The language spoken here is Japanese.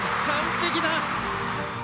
完璧だ！